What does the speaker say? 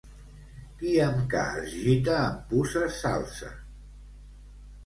Qui amb ca es gita, amb puces s'alça.